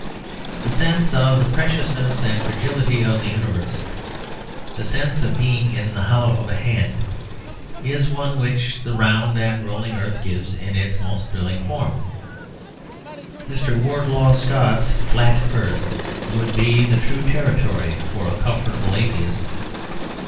The sense of the preciousness and fragility of the universe, the sense of being in the hollow of a hand, is one which the round and rolling earth gives in its most thrilling form. Mr. Wardlaw Scott's flat earth would be the true territory for a comfortable atheist.